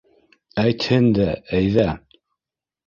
— Әйтһен дә, әйҙә!